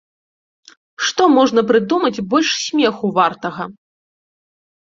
Што можна прыдумаць больш смеху вартага?!